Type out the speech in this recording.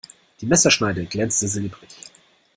Die Messerschneide glänzte silbrig.